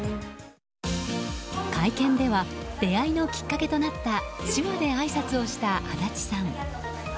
会見では出会いのきっかけとなった手話であいさつをした足立さん。